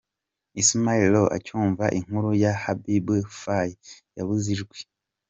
Ismaël Lô acyumva inkuru ya Habib Faye yabuze ijwi.